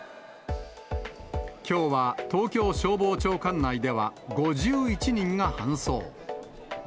きょうは東京消防庁管内では５１人が搬送。